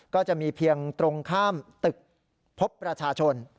ก็จะมีเพียงตรงข้ามตึกพบประชาชน